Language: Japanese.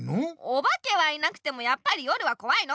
おばけはいなくてもやっぱり夜はこわいの！